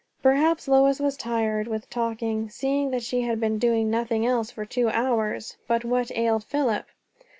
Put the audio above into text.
Perhaps Lois was tired with talking, seeing she had been doing nothing else for two hours, but what ailed Philip?